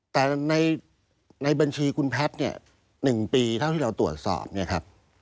แต่ในบัญชีคุณแพทย์๑ปีเท่าที่เราตรวจสอบ